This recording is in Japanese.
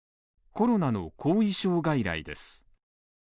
コロナの後遺症外来です。